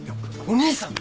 お兄さん。